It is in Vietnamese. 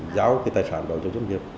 giao cái tài sản đó cho doanh nghiệp